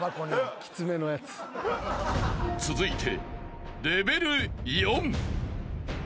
［続いて］